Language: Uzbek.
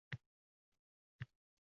Juda ehtiyot qilishingiz kerak